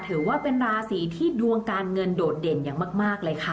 ถือว่าเป็นราศีที่ดวงการเงินโดดเด่นอย่างมากเลยค่ะ